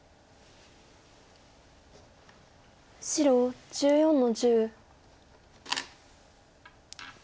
白１４の十。